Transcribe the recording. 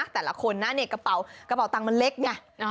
แต่ละคนน่ะกระเป๋าตังค์มันเล็กอย่างนี้